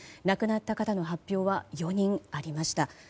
亡くなった方の発表は４人ありました。